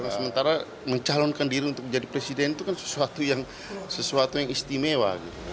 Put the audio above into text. sementara mencalonkan diri untuk menjadi presiden itu kan sesuatu yang istimewa